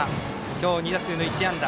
今日２打数の１安打。